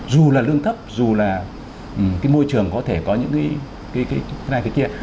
dù là lương thấp dù là cái môi trường có thể có những cái này cái kia